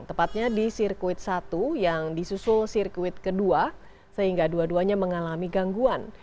tepatnya di sirkuit satu yang disusul sirkuit kedua sehingga dua duanya mengalami gangguan